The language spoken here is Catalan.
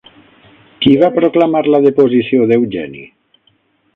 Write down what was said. Qui va proclamar la deposició d'Eugeni?